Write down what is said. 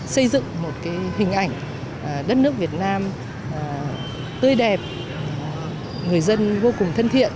xây dựng một hình ảnh đất nước việt nam tươi đẹp người dân vô cùng thân thiện